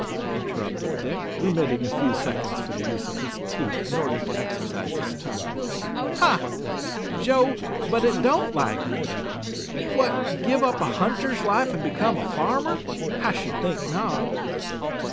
interrupted Dick, remitting for a few seconds the use of his teeth in order to exercise his tongue ha! Joe, but it don't like me! What, give up a hunter's life and become a farmer? I should think not!"